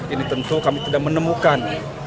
ini tentu kami tidak menemukan